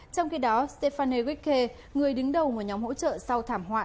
trong khi đó stefanie wicke người đứng đầu một nhóm hỗ trợ sau thảm họa